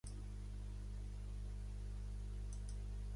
Què no es concreten en la Venus del mirall de Velázquez?